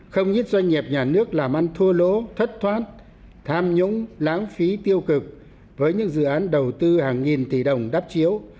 không ít doanh nghiệp nhà nước làm ăn thua lỗ thất thoát tham nhũng lãng phí tiêu cực với những dự án đầu tư hàng nghìn tỷ đồng đắp chiếu